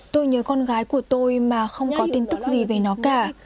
tôi nhớ con gái của tôi mà không có tin tức gì về nó cả